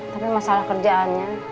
tapi masalah kerjaannya